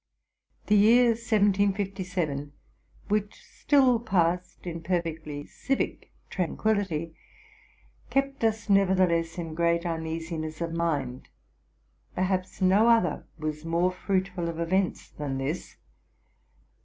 The year 1757, which still passed in perfectly civic tran quillity, kept us, nevertheless, in great uneasiness of mind. Perhaps no other was more fruitful of events than this.